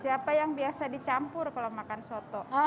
siapa yang biasa dicampur kalau makan soto